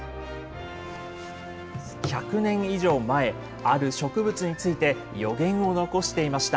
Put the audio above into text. １００年以上前、ある植物について予言を残していました。